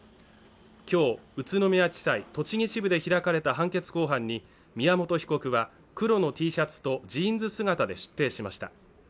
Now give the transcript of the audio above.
今日、宇都宮地裁栃木支部で開かれた判決公判に宮本被告は黒のＴシャツとジーンズ姿で出廷しました。